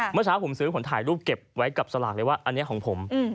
เมื่อเช้าผมซื้อผมถ่ายรูปเก็บไว้กับสลากเลยว่าอันนี้ของผม